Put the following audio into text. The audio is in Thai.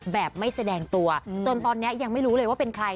แบบไม่แสดงตัวจนตอนนี้ยังไม่รู้เลยว่าเป็นใคร